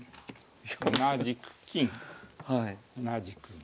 同じく金同じく玉。